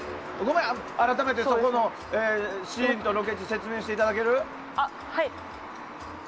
改めて、そこのシーンとロケ地説明していただける？